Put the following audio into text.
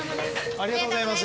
ありがとうございます。